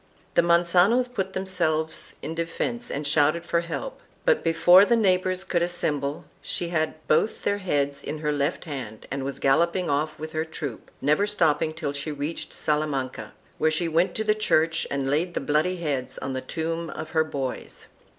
The Mancanos put themselves in defence and shouted for help, but before the neighbors could assemble she had both their heads in her left hand and was galloping off with her troop, never stopping till she reached Salamanca, where she went to the church and laid the bloody heads on the tomb of her boys.